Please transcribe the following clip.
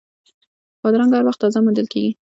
بادرنګ هر وخت تازه موندل کېږي.